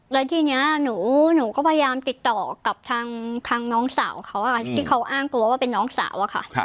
แล้วทีนี้หนูก็พยายามติดต่อกับทางน้องสาวเขาที่เขาอ้างตัวว่าเป็นน้องสาวอะค่ะ